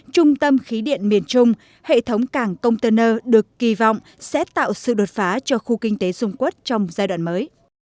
trung tâm khí điện miền trung hệ thống cảng container được kỳ vọng sẽ tạo sự đột phá cho khu kinh tế dung quốc trong giai đoạn mới